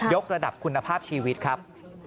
กระดับคุณภาพชีวิตครับ